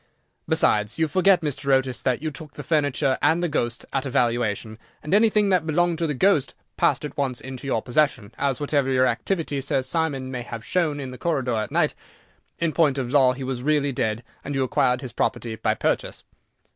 Besides, you forget, Mr. Otis, that you took the furniture and the ghost at a valuation, and anything that belonged to the ghost passed at once into your possession, as, whatever activity Sir Simon may have shown in the corridor at night, in point of law he was really dead, and you acquired his property by purchase."